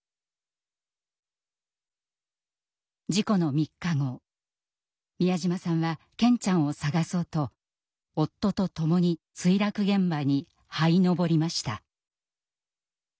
事故の３日後美谷島さんは健ちゃんを捜そうと夫と共に墜落現場に這い登りました。